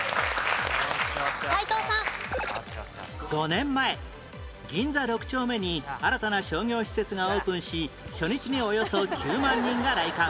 ５年前銀座６丁目に新たな商業施設がオープンし初日におよそ９万人が来館